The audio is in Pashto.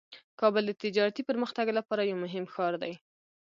کابل د تجارتي پرمختګ لپاره یو مهم ښار دی.